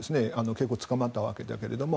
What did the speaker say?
結構捕まったわけだけども。